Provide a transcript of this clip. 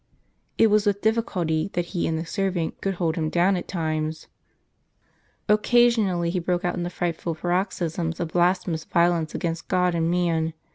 It was with difficulty that he and the servant could hold him down at times. Occasionally he broke out into frightful paroxysms of blasphemous violence against God and man.